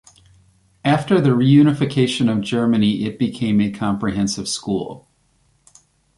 After the reunification of Germany it became a comprehensive school.